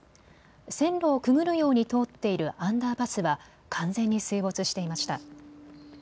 線路をくぐるように通っているアンダーパスは完全に水没していました。